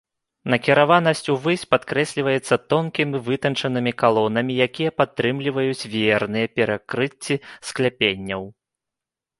Накіраванасць увысь падкрэсліваецца тонкімі вытанчанымі калонамі, якія падтрымліваюць веерныя перакрыцці скляпенняў.